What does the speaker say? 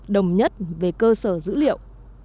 đồng nhất về cơ sở dữ liệu